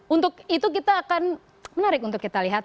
untuk itu kita akan menarik untuk kita lihat